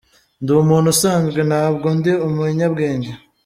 Ndi umuntu usanzwe, ntabwo ndi umunyabwenge.